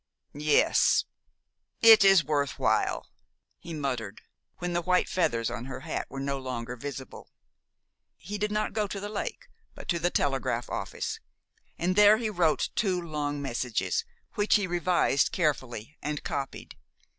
"Yes, it is worth while," he muttered, when the white feathers on her hat were no longer visible. He did not go to the lake, but to the telegraph office, and there he wrote two long messages, which he revised carefully, and copied.